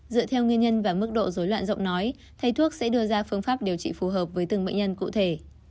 dựa theo nguyên nhân và mức độ dối loạn giọng nói thay thuốc sẽ đưa ra phương pháp điều trị phù hợp với từng bệnh nhân cụ thể